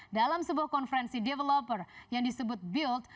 dalam sebuah konferensi developer yang disebut build